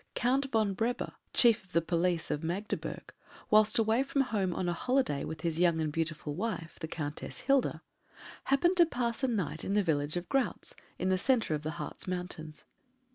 Count Von Breber, chief of the police of Magdeburg, whilst away from home on a holiday with his young and beautiful wife, the Countess Hilda, happened to pass a night in the village of Grautz, in the centre of the Harz Mountains.